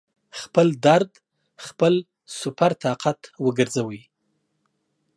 خپل درد خپل سُوپر طاقت وګرځوئ